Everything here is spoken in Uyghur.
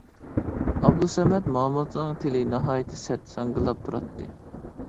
ئابدۇسەمەت مامۇتنىڭ تىلى ناھايىتى سەت ساڭگىلاپ تۇراتتى.